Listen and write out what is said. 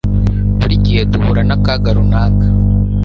Buri gihe duhura n'akaga runaka.